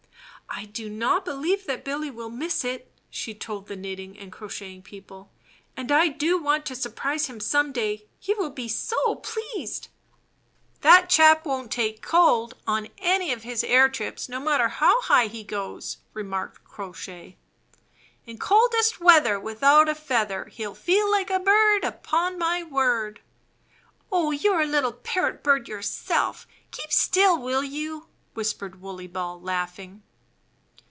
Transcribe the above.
"I do not beheve that Billy will miss it/' she told the Knitting and Crocheting People; ''and I do want to surprise him some day. He will be so pleased." "That chap won't take cold on any of his air trips, no matter how high he goes," remarked Crow Shay, "In coldest weather. Without a feather. He'll feel Hke a bird Upon my word." "Oh, you're a httle parrot bird yourself. Keep still, will you?" whispered Wooley Ball, laughing.